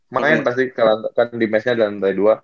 main pasti kalau kan di matchnya dalam play dua